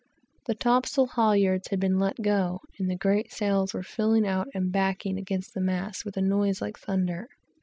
The topsail halyards had been let go, and the great sails filling out and backing against the masts with a noise like thunder.